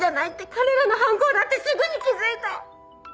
彼らの犯行だってすぐに気付いた！